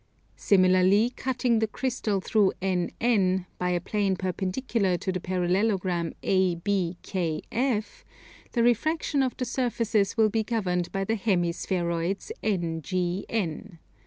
Similarly, cutting the Crystal through NN, by a plane perpendicular to the parallelogram ABKF, the refraction of the surfaces will be governed by the hemi spheroids NGN.